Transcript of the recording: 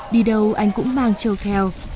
đi đâu anh cũng mang trâu theo